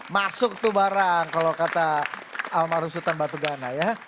masuk tuh barang kalau kata almarhus sultan batugana ya